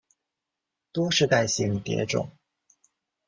多世代性蝶种。